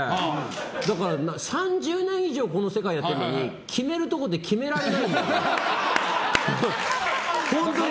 だから、３０年以上この世界やっているけど決めるところで決められないの。